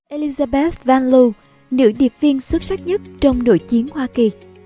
elizabeth van loo nữ điệp viên xuất sắc nhất trong nội chiến hoa kỳ